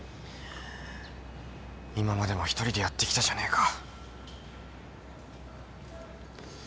今までも一人でやってきたじゃねえか。